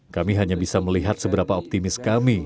kami hanya bisa melihat seberapa optimis kami